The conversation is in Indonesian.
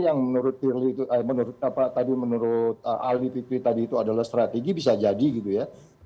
yang menurut albi fitri tadi itu adalah strategi bisa jadi gitu ya